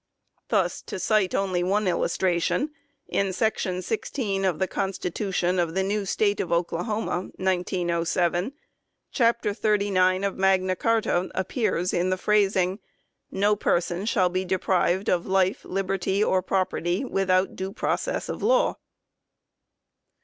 1 Thus, to cite only one illustration, in section sixteen of the Con stitution of the new State of Oklahoma (1907), chapter thirty nine of Magna Carta appears in the phrasing, " No person shall be deprived of life, liberty, or property, without due process of law